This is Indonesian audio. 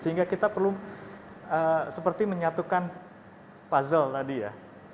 sehingga kita perlu seperti menyatukan puzzle tadi ya